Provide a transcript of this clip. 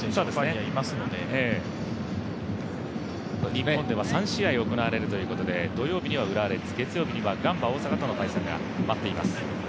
日本では３試合行われるということで土曜日には浦和レッズ、月曜日には、ガンバ大阪との対戦が待っています。